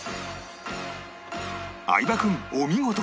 相葉君お見事！